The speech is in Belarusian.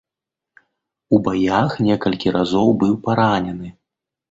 У баях некалькі разоў быў паранены.